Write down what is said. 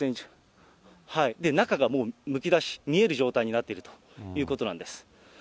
中がもうむき出し、見える状態になっているということなんです。